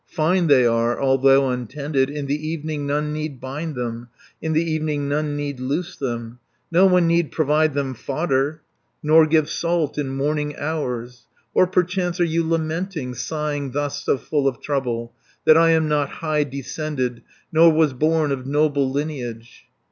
Fine they are, although untended. In the evening none need bind them, In the evening none need loose them, 270 No one need provide them fodder, Nor give salt in morning hours. "Or perchance are you lamenting, Sighing thus so full of trouble, That I am not high descended, Nor was born of noble lineage?